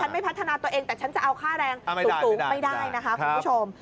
ไม่พัฒนาตัวเองแต่ฉันจะเอาค่าแรงสูงไม่ได้นะคะคุณผู้ชม